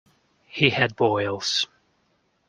He had boils.